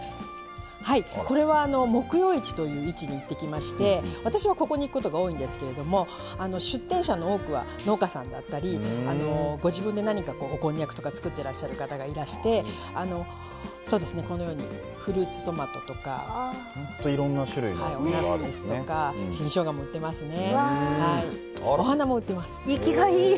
木曜市という市に行ってきまして私はここに行くことが多いんですけど出店者の多くは農家さんだったりご自分で、こんにゃくとかを作ってる方がいらして、このようにフルーツトマトとか新しょうがも売ってますね。